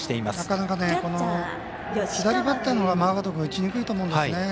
なかなか左バッターのほうがマーガード君打ちにくいと思うんですね。